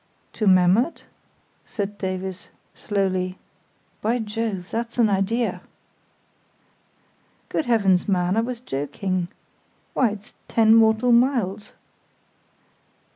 "To Memmert?" said Davies, slowly; "by Jove! that's an idea!" "Good Heavens, man! I was joking. Why, it's ten mortal miles."